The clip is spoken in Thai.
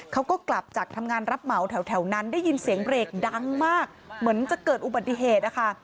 เขาก็กลับจากทำงานรับเหมาแถวนั้นได้ยินเสียงเบรกดังมากเหมือนจะเกิดอุบัติเหตุนะคะ